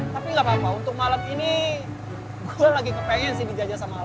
tapi gak apa apa untuk malam ini gue lagi kepengen sih dijajah sama alam